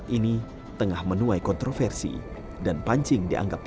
kita mencari bantuan yang cukup menyediakan dari rgp tepik